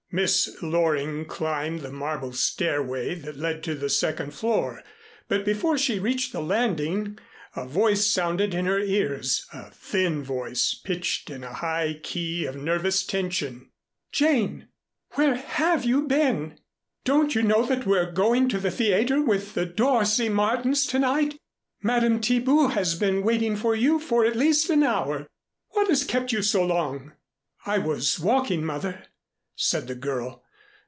Miss Loring climbed the marble stairway that led to the second floor, but before she reached the landing, a voice sounded in her ears, a thin voice pitched in a high key of nervous tension. "Jane! Where have you been? Don't you know that we're going to the theatre with the Dorsey Martin's to night? Madame Thiebout has been waiting for you for at least an hour. What has kept you so long?" "I was walking, Mother," said the girl.